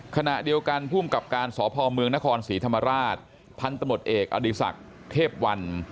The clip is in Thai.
ขณะเดียวกันภูมิกับการสอบภอมเมืองนครสิทธมาราชพันธมตเอกอดิสักเทพวัน